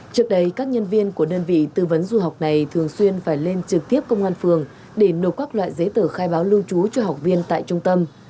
trước đây các nhân viên của đơn vị tư vấn du học này thường xuyên phải lên trực tiếp công an phường để nộp các loại giấy tờ khai báo lưu trú cho học viên tại trung tâm